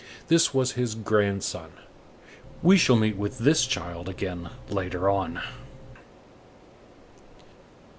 This was his grandson. We shall meet with this child again later on.